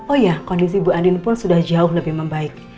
oh ya kondisi bu andin pun sudah jauh lebih membaik